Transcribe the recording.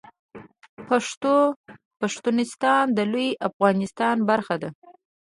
پښتونستان د لوی افغانستان برخه ده